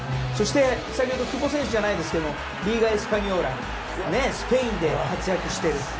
そして、先ほどの久保選手じゃないですけれどもリーガ・エスパニョーラスペインで活躍している。